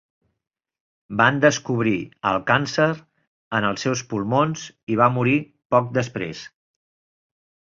Van descobrir el càncer en els seus pulmons i va morir poc després.